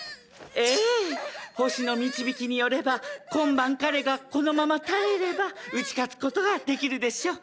星の導きによれば今晩彼がこのまま耐えれば打ち勝つことができるでしょう。